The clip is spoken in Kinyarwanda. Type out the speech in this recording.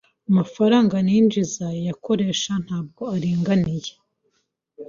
Amafaranga ninjiza nayakoresha ntabwo aringaniye.